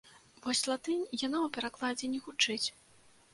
Вось латынь, яна ў перакладзе не гучыць.